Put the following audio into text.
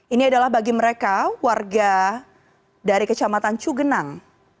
ini adalah bagi mereka warga dari kecamatan cugenang